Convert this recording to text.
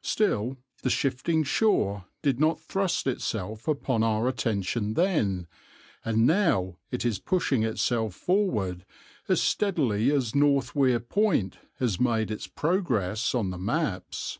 Still, the shifting shore did not thrust itself upon our attention then, and now it is pushing itself forward as steadily as North Weir Point has made its progress on the maps.